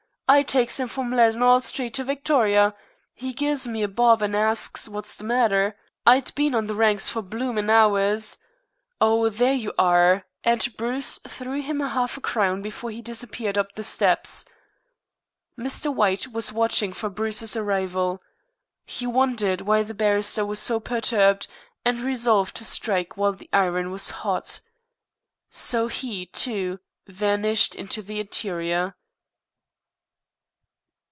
"I tykes him from Leaden'all Street to Victoria. 'E gives me a bob, an' 'e arsks me wot's the matter. I'd been on the ranks four bloomin' hours " "Oh, there you are!" and Bruce threw him half a crown before he disappeared up the steps. Mr. White was watching for Bruce's arrival. He wondered why the barrister was so perturbed, and resolved to strike while the iron was hot. So he, too, vanished into the interior.